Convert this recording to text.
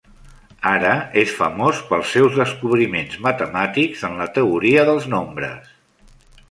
Ara és famós pels seus descobriments matemàtics en la teoria dels nombres.